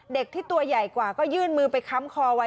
เด็กที่ตัวใหญ่กว่าก็ยื่นมือไปค้ำคอไว้